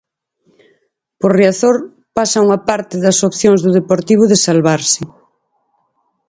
Por Riazor pasa unha parte das opción do Deportivo de salvarse.